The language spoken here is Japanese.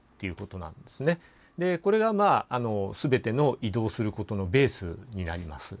これが全ての移動することのベースになります。